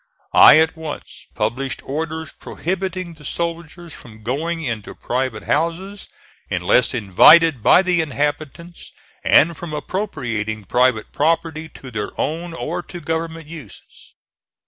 I at once published orders prohibiting the soldiers from going into private houses unless invited by the inhabitants, and from appropriating private property to their own or to government uses.